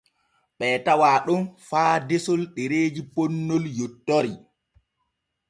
Ɓee tawaa ɗon faa desol ɗereeji ponnol yontori.